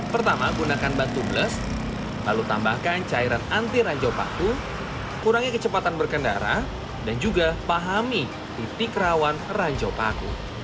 pertama gunakan batu bles lalu tambahkan cairan anti ranjau paku kurangi kecepatan berkendara dan juga pahami titik rawan ranjau paku